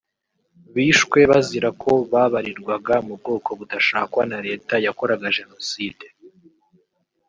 bishwe bazira ko babarirwaga mu bwoko budashakwa na Leta yakoraga Jenoside